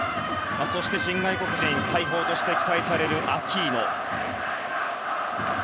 そして新外国人大砲として期待されるアキーノ。